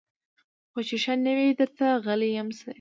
خو چي ښه نه وي درته غلیم سي